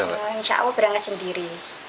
insya allah berangkat sendiri